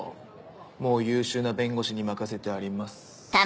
もう優秀な弁護士に任せてあります。